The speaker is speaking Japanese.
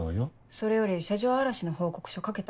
それより車上荒らしの報告書書けた？